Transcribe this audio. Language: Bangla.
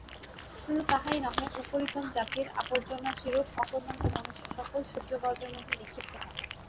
শুধু তাহাই নহে, উপরিতন জাতির আবর্জনারাশিরূপ অকর্মণ্য মনুষ্যসকল শূদ্রবর্গের মধ্যে নিক্ষিপ্ত হয়।